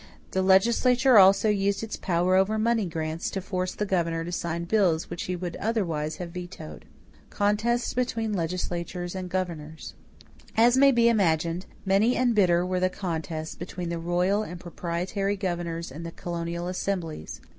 The legislature also used its power over money grants to force the governor to sign bills which he would otherwise have vetoed. =Contests between Legislatures and Governors.= As may be imagined, many and bitter were the contests between the royal and proprietary governors and the colonial assemblies.